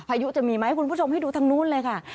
พายุจะมีไหมคุณผู้ชมให้ดูทางนู้นเลยค่ะ